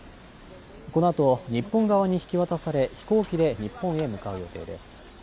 このあと日本側に引き渡され飛行機で日本へ向かう予定です。